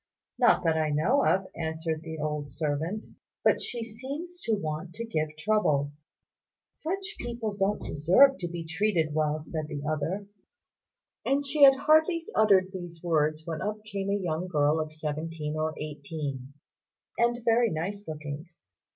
"Not that I know of," answered the old servant; "but she seems to want to give trouble." "Such people don't deserve to be treated well," said the other; and she had hardly uttered these words when up came a young girl of seventeen or eighteen, and very nice looking.